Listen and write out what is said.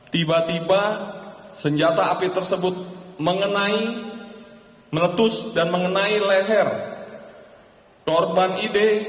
tiba tiba senjata api tersebut mengetus dan mengenai leher korban id